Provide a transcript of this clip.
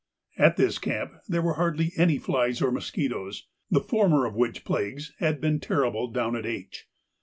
At this camp there were hardly any flies or mosquitoes, the former of which plagues had been terrible down at H.